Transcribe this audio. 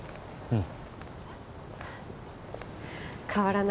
うん。